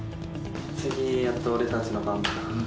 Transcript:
次やっと俺たちの番だな。